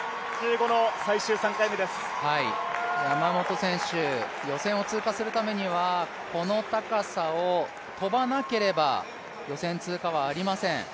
山本選手、予選を通過するためにはこの高さを跳ばなければ予選通過はありません。